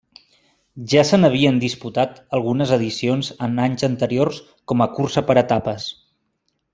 Ja se n'havien disputat algunes edicions en anys anteriors com a cursa per etapes.